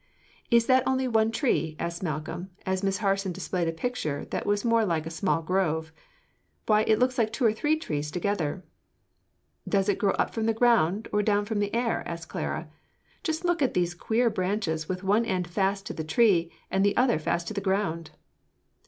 "Is that only one tree?" asked Malcolm as Miss Harson displayed a picture that was more like a small grove. "Why, it looks like two or three trees together." "Does it grow up from the ground or down from the air?" asked Clara. "Just look at these queer branches with one end fast to the tree and the other end fast to the ground!"